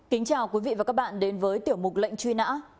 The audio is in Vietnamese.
kính chào quý vị và các bạn đến với tiểu mục lệnh truy nã